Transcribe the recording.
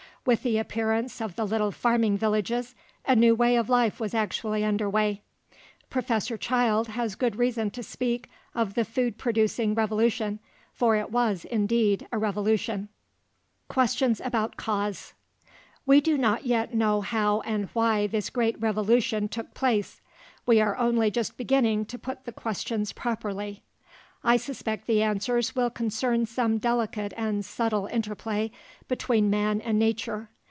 With the appearance of the little farming villages, a new way of life was actually under way. Professor Childe has good reason to speak of the "food producing revolution," for it was indeed a revolution. QUESTIONS ABOUT CAUSE We do not yet know how and why this great revolution took place. We are only just beginning to put the questions properly. I suspect the answers will concern some delicate and subtle interplay between man and nature.